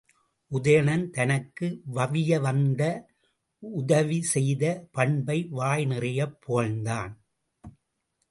உதயணன் தனக்கு வவிய வந்து உதவி செய்த பண்பை வாய் நிறையப் புகழ்ந்தான்.